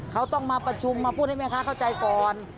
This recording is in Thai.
เขาต้องมาประชุมมาพูดให้แม่ค้าเข้าใจก่อน